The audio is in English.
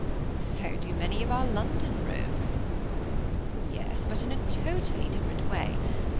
"So do many of our London rogues." "Yes, but in a totally different way.